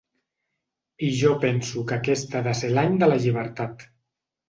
I jo penso que aquest ha de ser l’any de la llibertat.